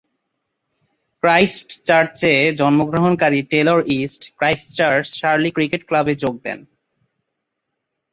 ক্রাইস্টচার্চে জন্মগ্রহণকারী Taylor East Christchurch Shirley cricket ক্লাবে যোগ দেন।